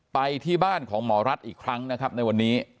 ไปที่บ้านของหมอรัฐอีกครั้งนะครับในวันนี้